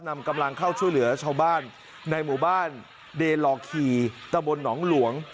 นำกำลังเข้าช่วยเหลือชาวบ้านในหมู่บ้านเดลอคีตะบลหนองหลวง